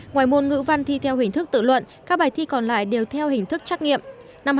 ngoài môn ngữ văn thi theo hình thức tự luận các bài thi còn lại đều theo hình thức trắc nghiệm